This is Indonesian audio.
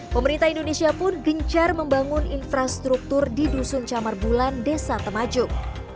pemerintah indonesia pun gencar membangun infrastruktur di dusun camar bulan desa temajuk